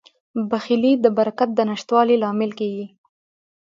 بخیلي د برکت د نشتوالي لامل کیږي.